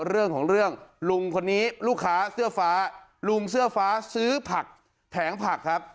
เรื่องของเรื่องลุงคนนี้ลูกค้าเสื้อฟ้าลุงเสื้อฟ้าซื้อผักแผงผักครับ